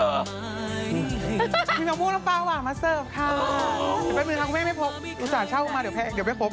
มีหมงนมปลาหวานมาเซิร์ฟค่ะ